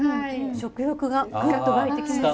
食欲がグッと湧いてきます。